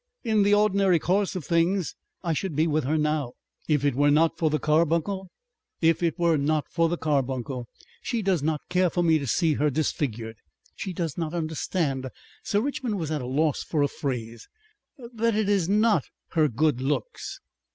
In the ordinary course of things I should be with her now." "If it were not for the carbuncle?" "If it were not for the carbuncle. She does not care for me to see her disfigured. She does not understand " Sir Richmond was at a loss for a phrase "that it is not her good looks."